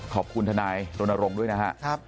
ค่ะขอบคุณทนายโดนโรงด้วยนะฮะครับ